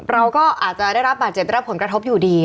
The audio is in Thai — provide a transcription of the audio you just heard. เราก็อาจจะได้รับบาดเจ็บได้รับผลกระทบอยู่ดี